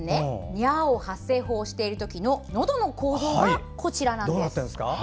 にゃーお発声法している時ののどの構造が、こちらなんです。